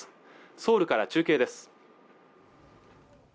ソウルから中継です